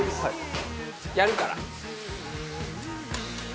やるから。